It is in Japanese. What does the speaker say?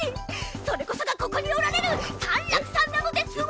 それこそがここにおられるサンラクさんなのですわ！